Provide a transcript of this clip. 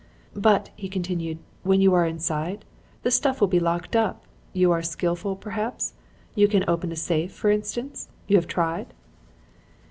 "'But,' he continued, 'when you are inside? The stuff will be locked up. You are skilful, perhaps? You can open a safe, for instance? You have tried?'